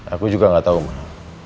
aku juga gak tau mbak